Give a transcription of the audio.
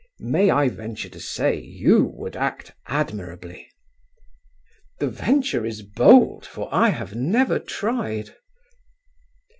"May I venture to say you would act admirably?" "The venture is bold, for I have never tried."